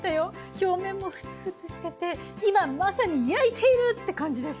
表面もフツフツしてて今まさに焼いているって感じです。